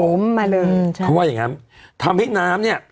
มันถมมาเลยอืมใช่เพราะว่าอย่างงี้ทำให้น้ำเนี้ย